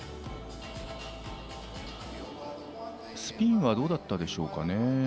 スピンはどうだったでしょうか。